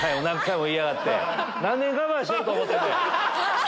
何年我慢してると思ってんねや。